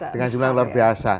dengan jumlah yang luar biasa